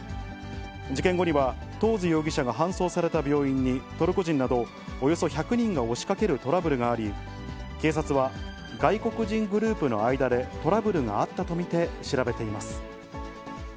事件後には、トーズ容疑者が搬送された病院にトルコ人などおよそ１００人が押しかけるトラブルがあり、警察は、外国人グループの間でトラブルがあったと見て調べています。